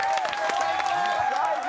最高！